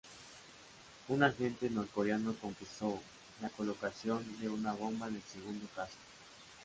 Un agente norcoreano confesó la colocación de una bomba en el segundo caso.